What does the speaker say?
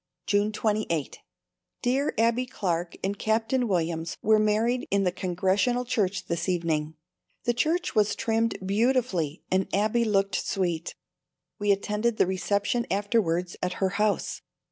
June 28. Dear Abbie Clark and Captain Williams were married in the Congregational church this evening. The church was trimmed beautifully and Abbie looked sweet. We attended the reception afterwards at her house.